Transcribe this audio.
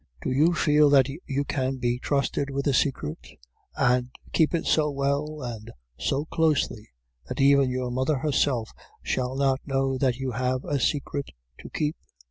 Do you feel that you can be trusted with a secret, and keep it so well and so closely that even your mother herself shall not know that you have a secret to keep?